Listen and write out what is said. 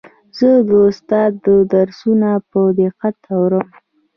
زه د استاد درسونه په دقت اورم.